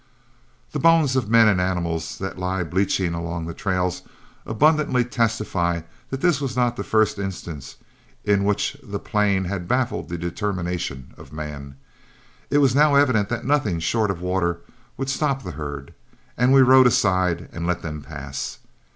The bones of men and animals that lie bleaching along the trails abundantly testify that this was not the first instance in which the plain had baffled the determination of man. It was now evident that nothing short of water would stop the herd, and we rode aside and let them pass.